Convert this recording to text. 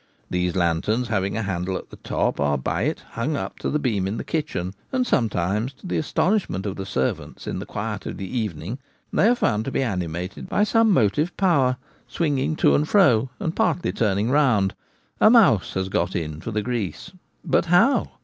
These lanterns, having a handle at the top, are by it hung up to the beam in the kitchen ; and sometimes to the astonish ment of the servants in the quiet of the evening, they are found to be animated by some motive power, swinging to and fro and partly turning round. A mouse has got in — for the grease ; but how